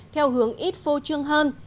theo hướng ít phô trương hơn